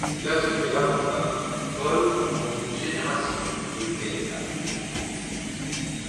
L’Azuré lavandin vole en une génération, de mai à début juillet.